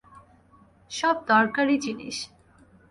সব দরকারি জিনিস।